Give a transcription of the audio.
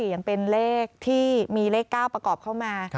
อย่างเป็นเลขที่มีเลข๙ประกอบเข้ามา